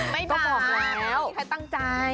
ไม่บาปไม่มีใครตั้งใจ